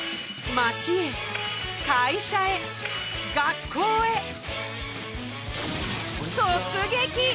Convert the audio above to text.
街へ会社へ学校へ突撃！